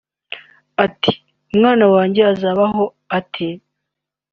Ati “Umwana wanjye azabaho ate